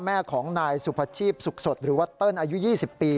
แม่ของนายสุพชีพสุขสดหรือว่าเติ้ลอายุ๒๐ปี